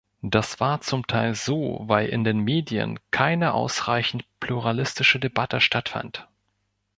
Das war zum Teil so, weil in den Medien keine ausreichend pluralistische Debatte stattfand.